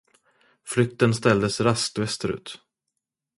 Flykten ställdes raskt västerut.